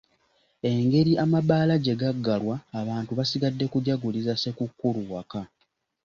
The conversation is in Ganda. Engeri amabbaala gye gaggalwa, abantu basigadde kujaguliza sekukkulu waka.